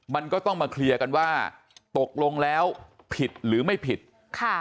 มันก็ต้องมาเคลียร์กันว่าตกลงแล้วผิดหรือไม่ผิดค่ะ